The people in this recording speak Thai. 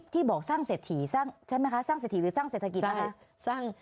ที่บอกสร้างเศรษฐีใช่ไหมคะสร้างเศรษฐีหรือสร้างเศรษฐกิจอะไร